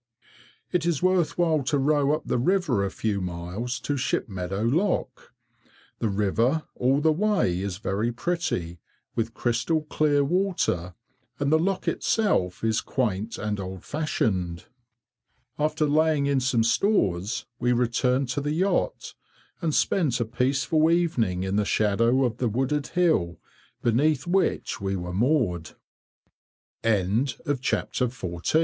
It is worth while to row up the river a few miles to Shipmeadow lock. The river all the way is very pretty, with crystal clear water, and the lock itself is quaint and old fashioned. [Picture: River Waveney] After laying in some stores we returned to the yacht, and spent a peaceful evening in the shadow of the wooded hill, beneath which we were moo